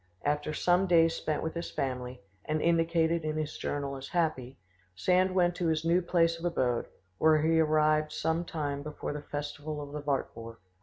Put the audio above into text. After some days spent with his family, and indicated in his journal as happy, Sand went to his new place of abode, where he arrived some time before the festival of the Wartburg.